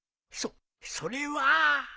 そっそれは。